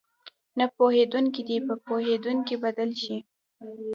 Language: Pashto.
نه پوهېدونکي دې په پوهېدونکي بدل شي.